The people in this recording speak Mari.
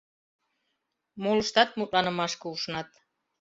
Молыштат мутланымашке ушнат.